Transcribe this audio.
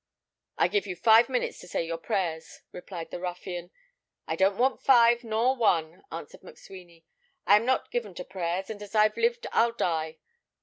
'I give you five minutes to say your prayers,' replied the ruffian. 'I don't want five, nor one,' answered McSweeny. 'I'm not given to prayers; and as I've lived I'll die.'